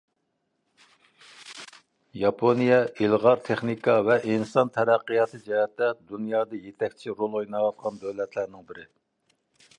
ياپونىيە — ئىلغار تېخنىكا ۋە ئىنسان تەرەققىياتى جەھەتتە دۇنيادا يېتەكچى رول ئويناۋاتقان دۆلەتلەرنىڭ بىرى.